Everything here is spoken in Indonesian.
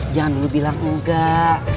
jangan dulu bilang enggak